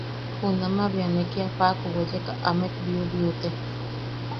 Junamaʼa bea ne kia paʼaku weyeka amet biubiute.